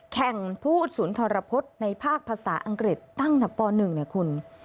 แข่งผู้อุดศูนย์ทรพฤษในภาคภาษาอังกฤษตั้งแต่ป๑คุณ